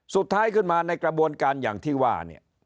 สุดท้ายขึ้นมาในกระบวนการอย่างที่ว่าเนี่ย